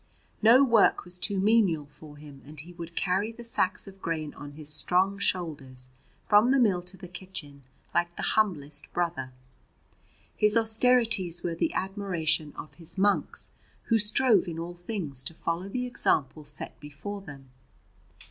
No work was too menial for him, and he would carry the sacks of grain on his strong shoulders from the mill to the kitchen like the humblest brother. His austerities were the admiration of his monks, who strove in all things to follow the example set before them.